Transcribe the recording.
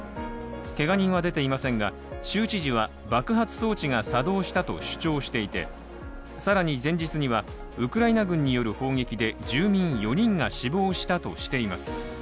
けが人は出ていませんが、州知事は爆発装置が作動したと主張していて更に前日にはウクライナ軍による砲撃で住民４人が死亡したとしています。